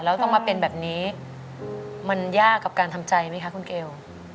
แล้วต้องมาเป็นแบบนี้มันยากกับการทำใจไหมคะคุณเกล